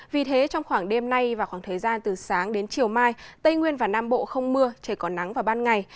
vì thế trong khoảng đêm nay và khoảng thời gian từ sáng đến chiều mai tây nguyên và nam bộ không mưa trời có nắng vào ban ngày